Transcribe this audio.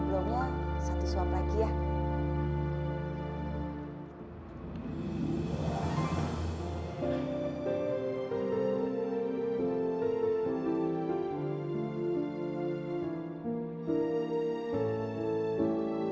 sebelumnya satu suap lagi ya